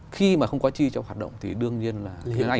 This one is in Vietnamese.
khi mà không có chi cho hoạt động thì đương nhiên là